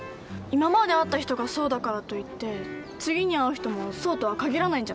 今まで会った人がそうだからといって次に会う人もそうとは限らないんじゃない？